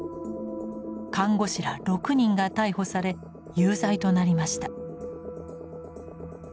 看護師ら６人が逮捕され有罪となりました。